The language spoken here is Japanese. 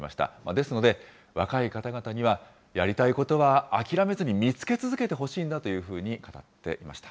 ですので、若い方々には、やりたいことは諦めずに見つけ続けてほしいんだというふうに語っていました。